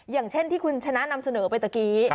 อย่างเช่นที่คุณชนะนำเสนอไปตะกี้